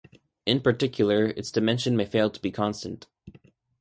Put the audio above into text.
In particular, its dimension may fail to be constant.